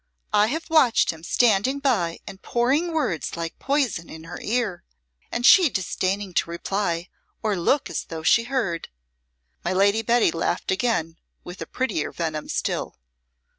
"I have watched him standing by and pouring words like poison in her ear, and she disdaining to reply or look as though she heard." My Lady Betty laughed again with a prettier venom still.